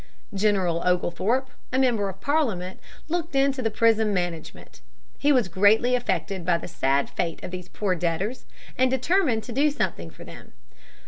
General Oglethorpe, a member of Parliament, looked into the prison management. He was greatly affected by the sad fate of these poor debtors, and determined to do something for them.